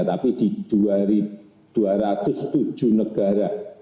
tapi di dua ratus tujuh negara